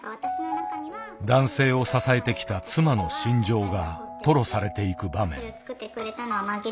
男性を支えてきた妻の心情が吐露されていく場面。